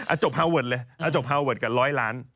อะจบฮาวเวิร์ดเลยอะจบฮาวเวิร์ดกัน๑๐๐ล้าน